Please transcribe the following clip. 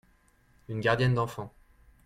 une gardienne d'enfants.